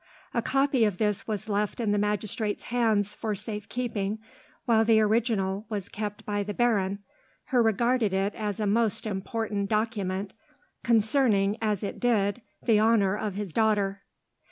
A copy of this was left in the magistrate's hands for safekeeping, while the original was kept by the baron, who regarded it as a most important document, concerning, as it did, the honour of his daughter.